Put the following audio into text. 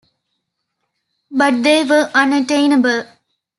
But they were unattainable.